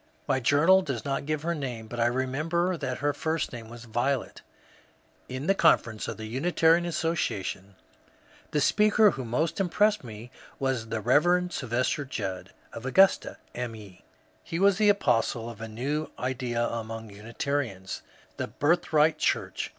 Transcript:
My journal does not give her name, but I remember that her first name was Violet. In the conferences of the Unitarian Association the speaker who most impressed me was the Bev. Sylvester Judd A DUSKY LYDIA 121 of Angasta, Me. He was the apostle of a new idea among Unitarians, — the birthright church.